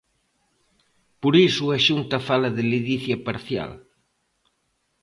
Por iso a Xunta fala de ledicia parcial.